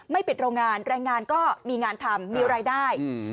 ปิดโรงงานแรงงานก็มีงานทำมีรายได้